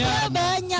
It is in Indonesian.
ini banyak ya